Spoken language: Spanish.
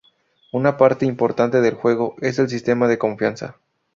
Una parte importante del juego es el sistema de confianza.